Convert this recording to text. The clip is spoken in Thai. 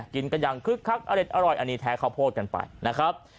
กินกันอย่างคึกคักอเด็ดอร่อยอันนี้แท้ข้าวโพดกันไปนะครับ